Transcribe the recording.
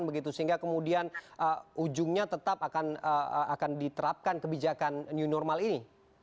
begitu sehingga kemudian ujungnya tetap akan diterapkan kebijakan new normal ini